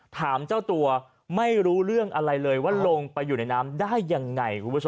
ถามเจ้าตัวไม่รู้เรื่องอะไรเลยว่าลงไปอยู่ในน้ำได้ยังไงคุณผู้ชม